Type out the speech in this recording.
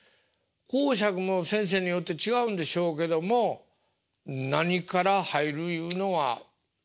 講釈も先生によって違うんでしょうけども何から入るいうのは大体みんな同じなんですか？